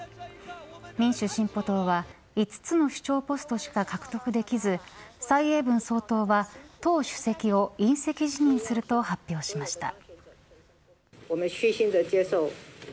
民主進歩党は５つの首長ポストしか獲得できず蔡英文総統は党主席を引責辞任すると発表しました。